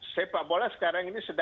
sepak bola sekarang ini